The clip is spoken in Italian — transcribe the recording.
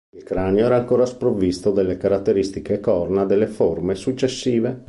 Il cranio era ancora sprovvisto delle caratteristiche corna delle forme successive.